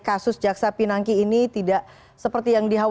kasus jaksa pinangki ini tidak seperti yang diharapkan